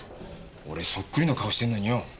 俺そっくりの顔してんのによ。